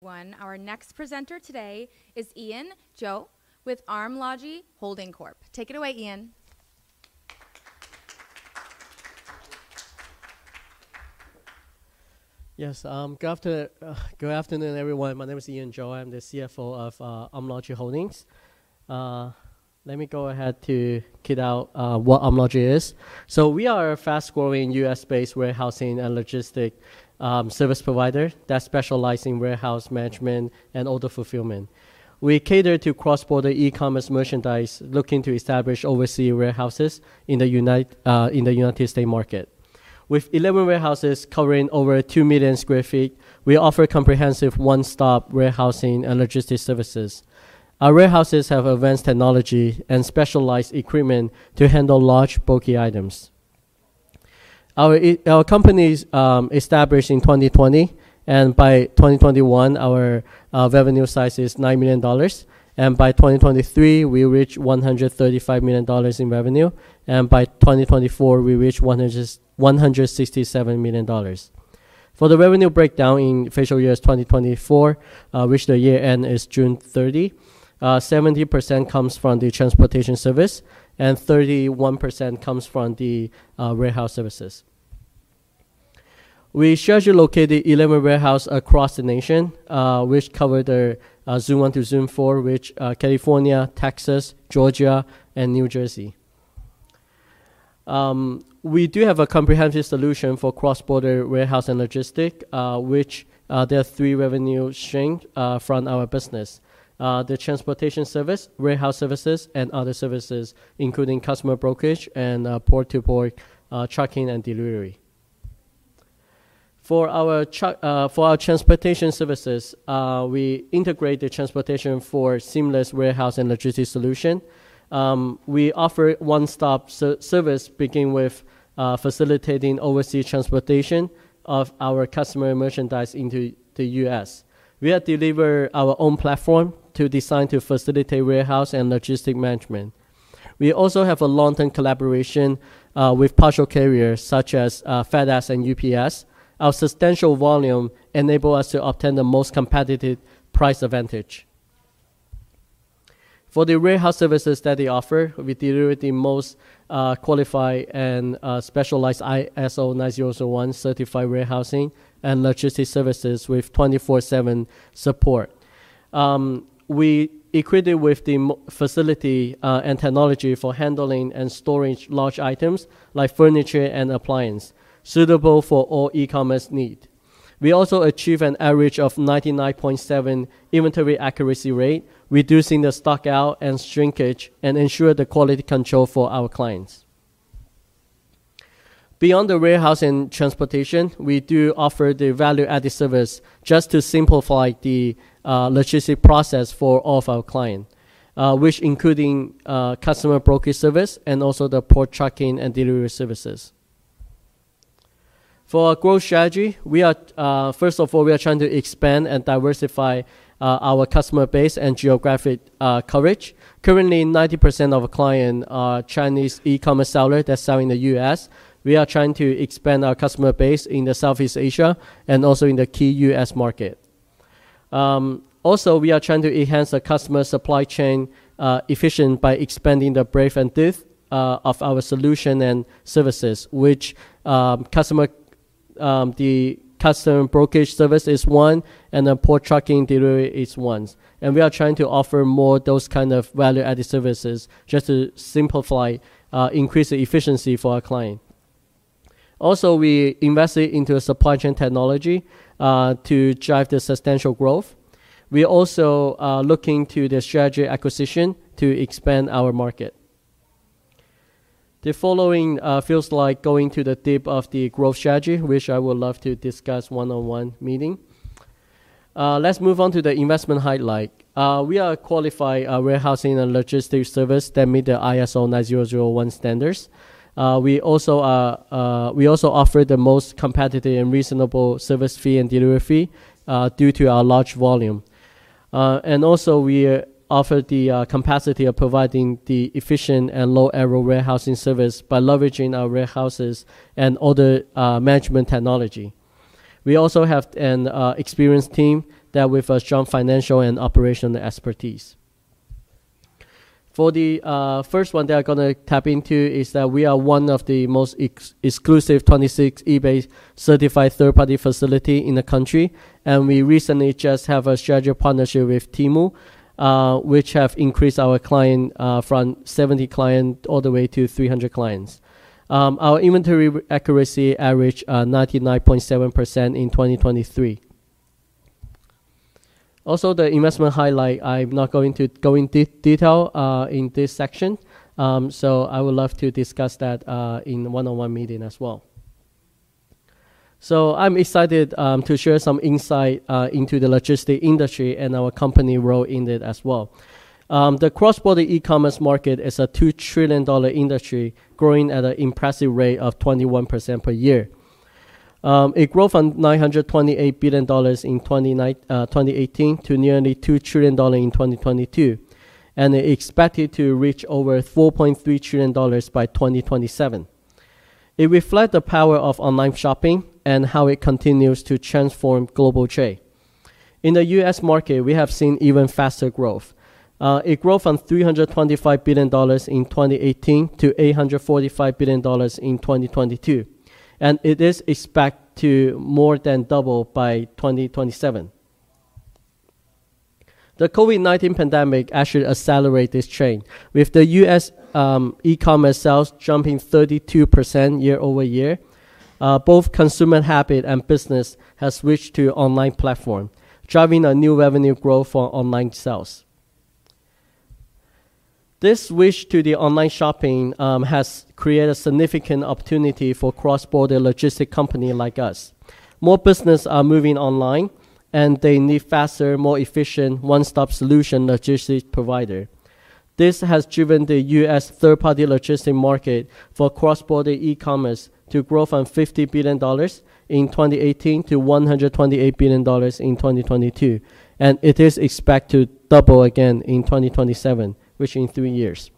One. Our next presenter today is Sheng-Kai (Scott) Hsu with Armlogi Holding Corp. Take it away, Ian. Yes. Good afternoon, everyone. My name is Sheng-Kai (Scott) Hsu. I'm the CFO of Armlogi Holding. Let me go ahead to kick off what Armlogi is. So we are a fast-growing U.S.-based warehousing and logistics service provider that specializes in warehouse management and order fulfillment. We cater to cross-border e-commerce merchandise, looking to establish overseas warehouses in the United States market. With 11 warehouses covering over 2 million sq ft, we offer comprehensive one-stop warehousing and logistics services. Our warehouses have advanced technology and specialized equipment to handle large, bulky items. Our company was established in 2020, and by 2021, our revenue size is $9 million, by 2023, we reached $135 million in revenue, and by 2024, we reached $167 million. For the revenue breakdown in fiscal year 2024, which the year end is June 30, 70% comes from the transportation service and 31% comes from the warehouse services. We have 11 warehouses located across the nation, which cover the Zone 1 to Zone 4, which are California, Texas, Georgia, and New Jersey. We do have a comprehensive solution for cross-border warehouse and logistics, which there are three revenue streams from our business: the transportation service, warehouse services, and other services, including customs brokerage and port-to-port trucking and delivery. For our transportation services, we integrate the transportation for seamless warehouse and logistics solutions. We offer one-stop service, beginning with facilitating overseas transportation of our customer merchandise into the U.S. We have developed our own platform designed to facilitate warehouse and logistics management. We also have a long-term collaboration with parcel carriers such as FedEx and UPS. Our substantial volume enables us to obtain the most competitive price advantage. For the warehouse services that we offer, we deliver the most qualified and specialized ISO 9001 certified warehousing and logistics services with 24/7 support. We equipped it with the facility and technology for handling and storage of large items like furniture and appliances, suitable for all e-commerce needs. We also achieve an average of 99.7% inventory accuracy rate, reducing the stockout and shrinkage, and ensure the quality control for our clients. Beyond the warehouse and transportation, we do offer the value-added service just to simplify the logistics process for all of our clients, which includes customs brokerage service and also the port trucking and delivery services. For our growth strategy, first of all, we are trying to expand and diversify our customer base and geographic coverage. Currently, 90% of our clients are Chinese e-commerce sellers that sell in the U.S. We are trying to expand our customer base in Southeast Asia and also in the key U.S. market. Also, we are trying to enhance our customer supply chain efficiency by expanding the breadth and depth of our solution and services, which the customs brokerage service is one and the port trucking delivery is one. And we are trying to offer more of those kinds of value-added services just to simplify and increase the efficiency for our clients. Also, we invested into supply chain technology to drive the substantial growth. We are also looking to the strategic acquisition to expand our market. The following feels like going to the depth of the growth strategy, which I would love to discuss in a one-on-one meeting. Let's move on to the investment highlight. We are a qualified warehousing and logistics service that meets the ISO 9001 standards. We also offer the most competitive and reasonable service fee and delivery fee due to our large volume. And also, we offer the capacity of providing the efficient and low-error warehousing service by leveraging our warehouses and order management technology. We also have an experienced team with strong financial and operational expertise. For the first one that I'm going to tap into, we are one of the most exclusive 26 eBay-certified third-party facilities in the country. And we recently just had a strategic partnership with Temu, which has increased our client from 70 clients all the way to 300 clients. Our inventory accuracy averaged 99.7% in 2023. Also, the investment highlight, I'm not going to go into detail in this section, so I would love to discuss that in a one-on-one meeting as well. So I'm excited to share some insight into the logistics industry and our company role in it as well. The cross-border e-commerce market is a $2 trillion industry growing at an impressive rate of 21% per year. It grew from $928 billion in 2018 to nearly $2 trillion in 2022, and it is expected to reach over $4.3 trillion by 2027. It reflects the power of online shopping and how it continues to transform global trade. In the U.S. market, we have seen even faster growth. It grew from $325 billion in 2018 to $845 billion in 2022, and it is expected to more than double by 2027. The COVID-19 pandemic actually accelerated this trend, with U.S. e-commerce sales jumping 32% year over year. Both consumer habits and businesses have switched to online platforms, driving a new revenue growth for online sales. This switch to online shopping has created a significant opportunity for cross-border logistics companies like us. More businesses are moving online, and they need faster, more efficient one-stop solution logistics providers. This has driven the U.S. third-party logistics market for cross-border e-commerce to grow from $50 billion in 2018 to $128 billion in 2022, and it is expected to double again in 2027, which is in three years.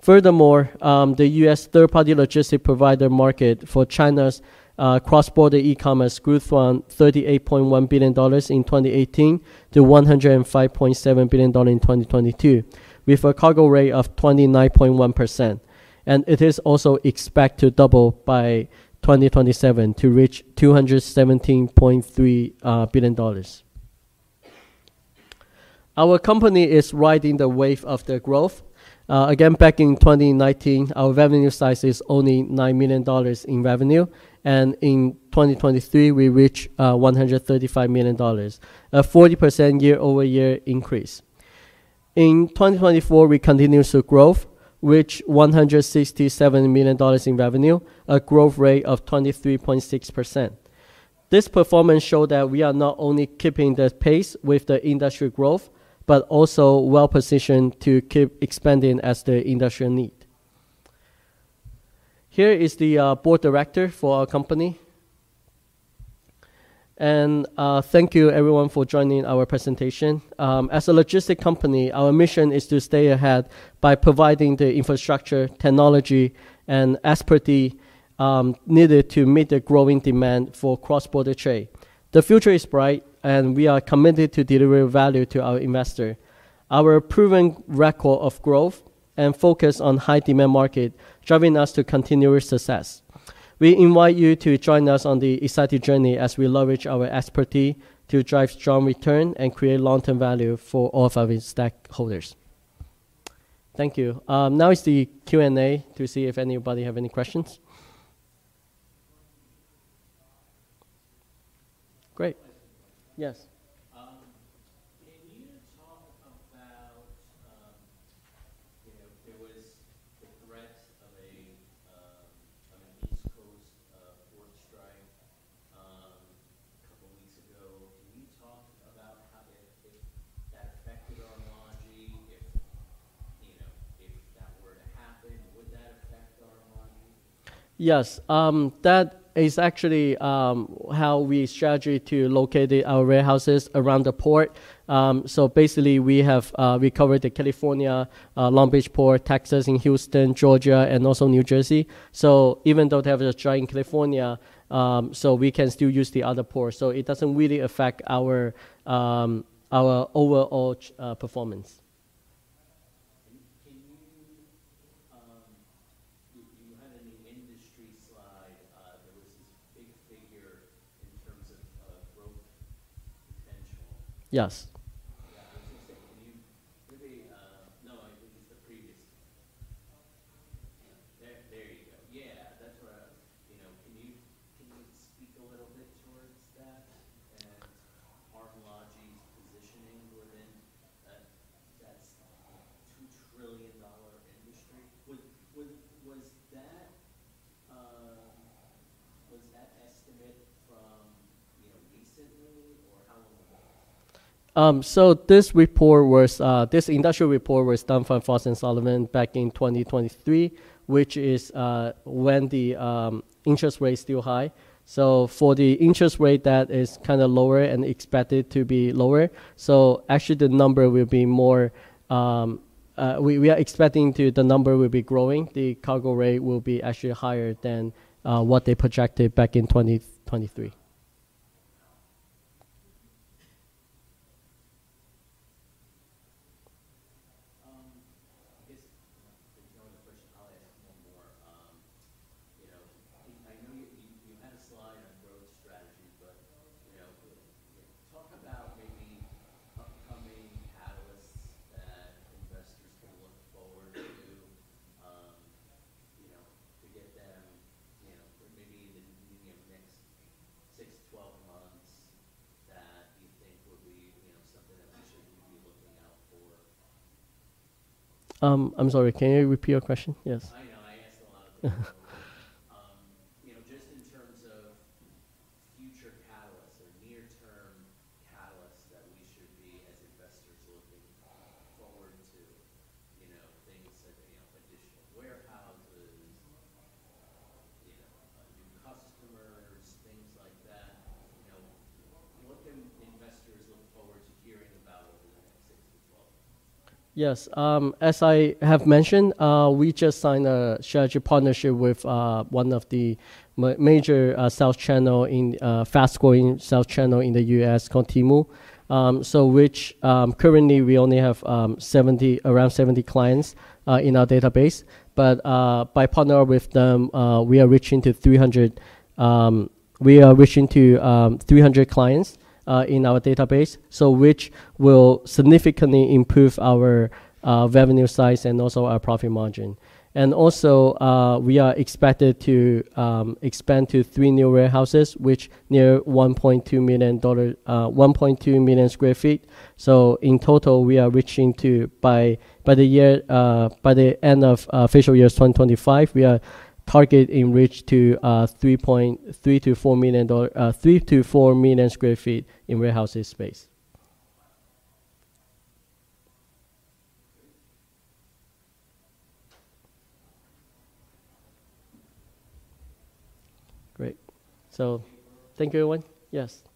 Furthermore, the U.S. third-party logistics provider market for China's cross-border e-commerce grew from $38.1 billion in 2018 to $105.7 billion in 2022, with a CAGR of 29.1%, and it is also expected to double by 2027 to reach $217.3 billion. Our company is riding the wave of the growth. Again, back in 2019, our revenue size was only $9 million in revenue, and in 2023, we reached $135 million, a 40% year-over-year increase. In 2024, we continued to grow, reaching $167 million in revenue, a growth rate of 23.6%. This performance shows that we are not only keeping the pace with the industry growth but also well-positioned to keep expanding as the industry needs. Here is the board director for our company, and thank you, everyone, for joining our presentation. As a logistics company, our mission is to stay ahead by providing the infrastructure, technology, and expertise needed to meet the growing demand for cross-border trade. The future is bright, and we are committed to delivering value to our investors. Our proven record of growth and focus on a high-demand market drive us to continuous success. We invite you to join us on the exciting journey as we leverage our expertise to drive strong returns and create long-term value for all of our stakeholders. Thank you. Now is the Q&A to see if anybody has any questions. Great. Yes. Can you talk about there was the threat of an East Coast port strike a couple of weeks ago? Can you talk about how that affected Armlogi? If that were to happen, would that affect Armlogi? Yes. That is actually how we strategize to locate our warehouses around the port. So basically, we cover the California, Long Beach port, Texas, and Houston, Georgia, and also New Jersey. So even though they have a strike in California, we can still use the other ports. So it doesn't really affect our overall performance. Do you have any industry slide? There was this big figure in terms of growth potential. Yes. Yeah. I was going to say, can you really? No, I think it's the previous one. There you go. Yeah. That's what I was. Can you speak a little bit towards that and Armlogi's positioning within that $2 trillion industry? Was that estimate from recently, or how long ago? So this industrial report was done from Frost & Sullivan back in 2023, which is when the interest rate is still high. So for the interest rate that is kind of lower and expected to be lower, so actually, the number will be more. We are expecting the number will be growing. The CAGR will be actually higher than what they projected back in 2023. I things. Just in terms of future catalysts or near-term catalysts that we should be as investors looking forward to, things like additional warehouses, new customers, things like that, what can investors look forward to hearing about over the next six to 12 months? Yes. As I have mentioned, we just signed a strategic partnership with one of the major sales channels, fast-growing sales channels in the U.S., called Temu, which currently we only have around 70 clients in our database. But by partnering with them, we are reaching to 300 clients in our database, which will significantly improve our revenue size and also our profit margin. And also, we are expected to expand to three new warehouses, which are near 1.2 million sq ft. So in total, we are reaching to by the end of fiscal year 2025, we are targeting to reach 3 to 4 million sq ft in warehousing space. Great. Great. So thank you, everyone. Yes. Thank you.